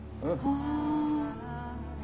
ああ。